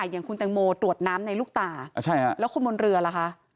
อย่างคุณแตงโมตรวจน้ำในลูกตาแล้วคนบนเรือล่ะคะ